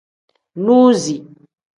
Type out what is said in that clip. Nuzi.